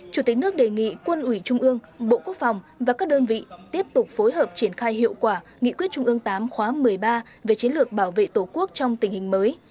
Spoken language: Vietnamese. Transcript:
chủ tịch nước đề nghị quân ủy trung ương bộ quốc phòng và các đơn vị tiếp tục phối hợp triển khai hiệu quả nghị quyết trung ương tám khóa một mươi ba về chiến lược bảo vệ tổ quốc trong tình hình mới